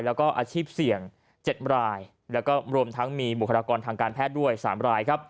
แล้วก็อาชีพเสี่ยง๗รายแล้วก็รวมทั้งมีบุคลากรทางการแพทย์ด้วย๓รายครับ